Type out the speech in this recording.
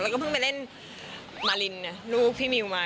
แล้วก็เพิ่งไปเล่นมารินลูกพี่มิวมา